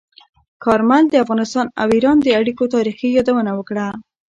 کارمل د افغانستان او ایران د اړیکو تاریخي یادونه وکړه.